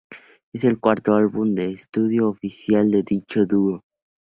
Es el cuarto álbum de estudio oficial de dicho dúo.